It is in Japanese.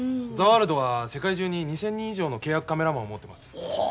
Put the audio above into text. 「ザ・ワールド」は世界中に２，０００人以上の契約カメラマンを持っています。